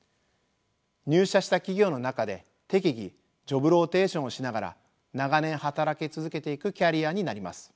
入社した企業の中で適宜ジョブローテーションをしながら長年働き続けていくキャリアになります。